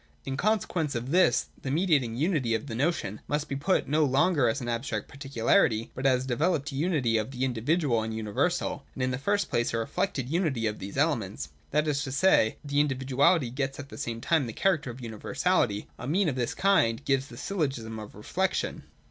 In consequence of this, the mediating unity of the notion must be put no longer as an abstract particularity, but as a developed unity of the individual and universal — and in the first place a reflected unity of these elements. That is to say, the individuality gets at the same time the character of universality. A mean of this kind gives the Syllogism of Reflection.